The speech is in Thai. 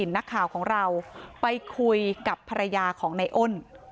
นักข่าวของเราไปคุยกับภรรยาของในอ้น